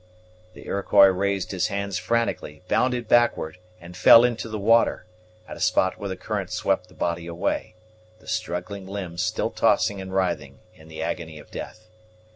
The Iroquois raised his hands frantically, bounded backward, and fell into the water, at a spot where the current swept the body away, the struggling limbs still tossing and writhing in the agony of death.